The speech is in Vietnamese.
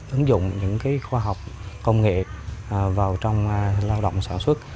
ứng dụng những khoa học công nghệ vào trong lao động sản xuất